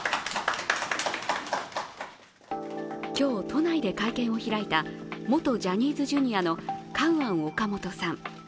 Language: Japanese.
今日、都内で会見を開いた元ジャニーズＪｒ．のカウアン・オカモトさん。